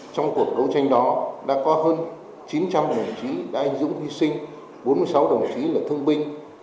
trong cuộc đấu tranh đó đã có hơn chín trăm linh đồng chí đã anh dũng hy sinh bốn mươi sáu đồng chí là thương binh